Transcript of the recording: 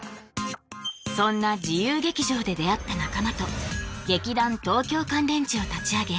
そんな自由劇場で出会った仲間と劇団東京乾電池を立ち上げ